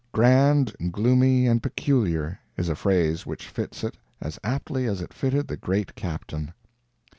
"Grand, gloomy, and peculiar," is a phrase which fits it as aptly as it fitted the great captain.